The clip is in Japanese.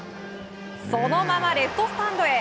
そのままレフトスタンドへ。